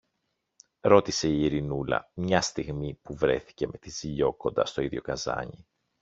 ρώτησε η Ειρηνούλα, μια στιγμή που βρέθηκε με τη Ζήλιω κοντά στο ίδιο καζάνι.